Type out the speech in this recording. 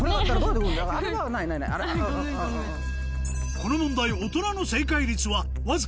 この問題大人の正解率はわずか５．５％の難問